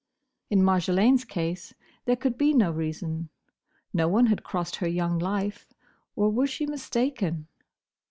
In Marjolaine's case there could be no reason. No one had crossed her young life—or, was she mistaken?